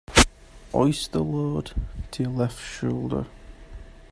Hoist the load to your left shoulder.